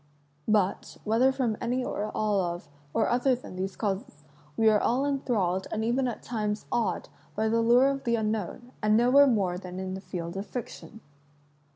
But, whether from any or all of, or other than, these causes, we are all enthralled and even at times awed by the lure of the unknown, and nowhere more than in the field of fiction.